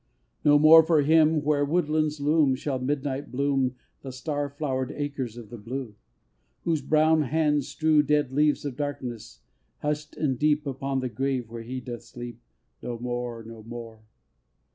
III. No more for him, where woodlands loom, Shall Midnight bloom The star flow'red acres of the blue! Whose brown hands strew Dead leaves of darkness, hushed and deep, Upon the grave where he doth sleep. No more! no more!